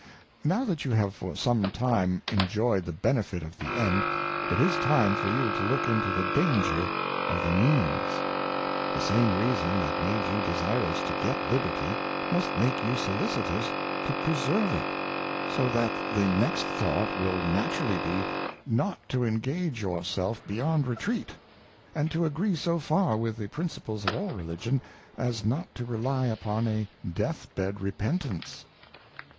Now that you have for some time enjoyed the Benefit of the End, it is time for you to look into the Danger_ j)f^_the Means : The same Reason that made you desirous to g.eJLLib_erty, must nHCEeyou sollicitous to preserve it ; so that the next Thought will naturally be, not to engage your self^beyond_Retreat, and to agree so far with the Principles of all ReUgieBy as not^to rely upon a Death Bed Repentance.